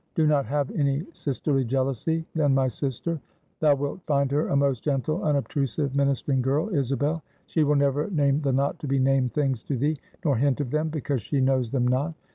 Do not have any sisterly jealousy, then, my sister. Thou wilt find her a most gentle, unobtrusive, ministering girl, Isabel. She will never name the not to be named things to thee; nor hint of them; because she knows them not.